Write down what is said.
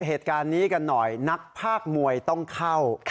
เหตุการณ์นี้กันหน่อยนักภาคมวยต้องเข้า